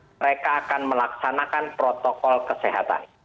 mereka akan melaksanakan protokol kesehatan